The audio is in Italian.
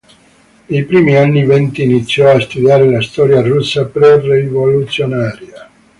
Nei primi anni venti iniziò a studiare la storia russa pre-rivoluzionaria.